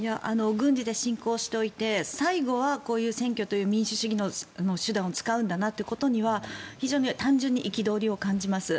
軍事で侵攻しておいて最後はこういう選挙という民主主義の手段を使うんだなということには非常に単純に憤りを感じます。